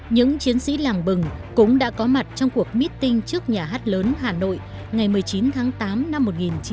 những chiến sĩ làng bừng cũng đã có mặt trong cuộc meeting trước nhà hát lớn hà nội ngày một mươi chín tháng tám năm một nghìn chín trăm bảy mươi năm